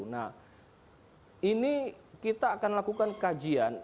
nah ini kita akan lakukan kajian